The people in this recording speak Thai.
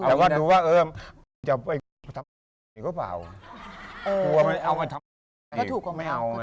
แต่ให้ดูว่าใครจะเอาใครมาทำไงก็เปล่า